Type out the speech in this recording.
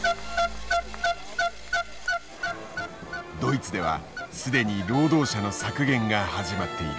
ドイツでは既に労働者の削減が始まっている。